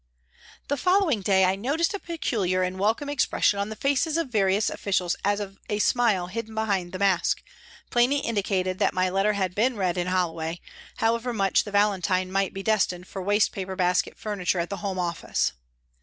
The following day I noticed a peculiar and welcome expression on the faces of various officials as of a smile hidden behind the mask, plainly indicating that my letter had been read in Holloway, however much the valentine might be destined for waste paper basket furniture at the Home Office.